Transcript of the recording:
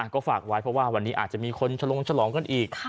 ก็ฝากไว้เพราะว่าวันนี้อาจจะมีคนชะลงฉลองกันอีก